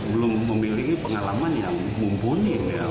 belum memiliki pengalaman yang mumpuni